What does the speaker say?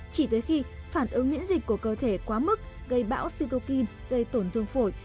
chỉ tới khi phản ứng miễn dịch của cơ thể quá mức gây bão situkin gây tổn thương phổi